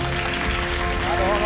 なるほど。